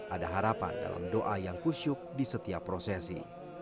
ada harapan dalam doa yang kusyuk di setiap prosesi